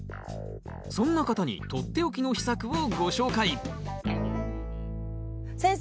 そんな方に取って置きの秘策をご紹介先生